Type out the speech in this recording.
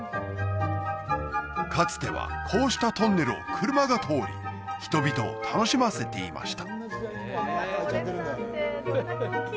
かつてはこうしたトンネルを車が通り人々を楽しませていました